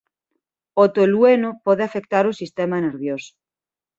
O tolueno pode afectar ó sistema nervioso.